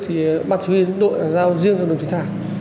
thì bác chí huy đội giao riêng cho đồng chí thảo